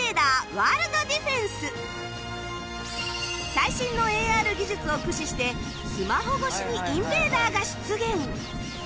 最新の ＡＲ 技術を駆使してスマホ越しにインベーダーが出現